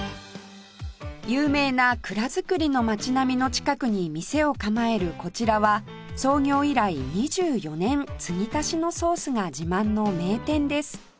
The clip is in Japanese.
有名な蔵造りの町並みの近くに店を構えるこちらは創業以来２４年つぎ足しのソースが自慢の名店です